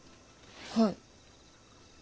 はい。